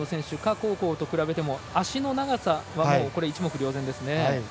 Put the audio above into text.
紅光と比べても足の長さは一目瞭然ですよね。